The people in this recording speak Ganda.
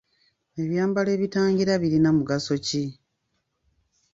Ebyambalo ebitangira birina mugaso ki?